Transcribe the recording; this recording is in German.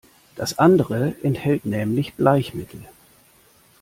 Das andere enthält nämlich Bleichmittel.